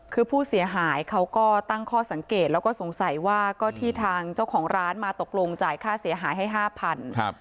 คือผู้เสียหายเขาก็ตั้งข้อสังเกตแล้วก็สงสัยว่าก็ที่ทางเจ้าของร้านมาตกลงจ่ายค่าเสียหายให้๕๐๐บาท